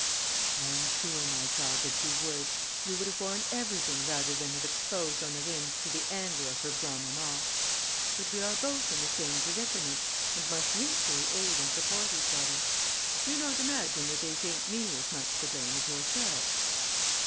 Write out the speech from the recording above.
"I am sure, my child, that you would. You would have borne everything rather than have exposed Honorine to the anger of her grandmamma; but we are both in the same predicament, and must mutually aid and support each other. Do you not imagine that they think me as much to blame as yourself?"